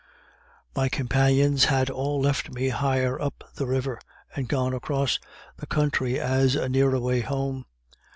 My companions had all left me higher up the river, and gone across the country as a nearer way home.